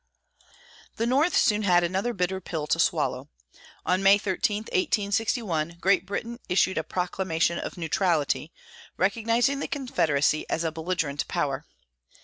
The North soon had another bitter pill to swallow. On May 13, 1861, Great Britain issued a proclamation of neutrality, recognizing the Confederacy as a belligerent power.